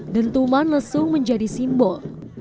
dentuman lesung menjadi simbol